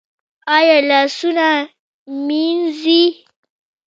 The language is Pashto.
ایا لاسونه مینځي؟